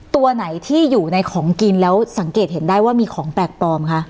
ตัวไหนที่อยู่ในของกินแล้วสังเกตเห็นได้ว่ามีของแปลกปลอมคะ